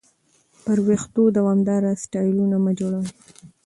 پر وېښتو دوامداره سټایلونه مه جوړوئ.